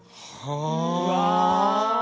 うわ！